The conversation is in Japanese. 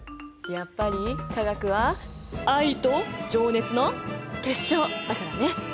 やっぱり化学は愛と情熱の結晶だからね！